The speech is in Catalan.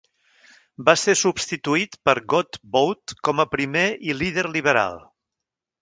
Va ser substituït per Godbout com a primer i líder liberal.